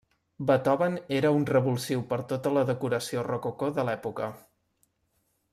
Beethoven era un revulsiu per tota la decoració rococó de l'època.